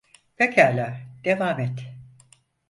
Pekâlâ, devam et.